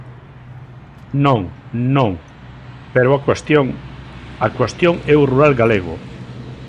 Non, non, pero á cuestión: a cuestión é o rural galego.